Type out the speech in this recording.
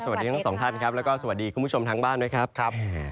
สวัสดีทั้งสองท่านครับแล้วก็สวัสดีคุณผู้ชมทางบ้านด้วยครับครับ